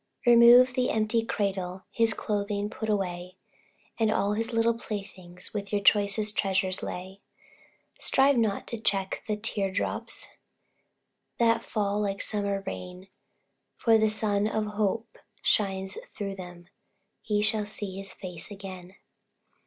Remove the empty cradle, His clothing put away, And all his little playthings With your choicest treasures lay; Strive not to check the tear drops, That fall like summer rain, For the sun of hope shines thro' them Ye shall see his face again.